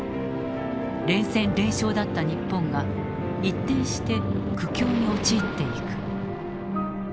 連戦連勝だった日本が一転して苦境に陥っていく。